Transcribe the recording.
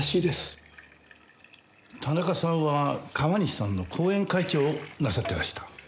田中さんは川西さんの後援会長をなさってらした？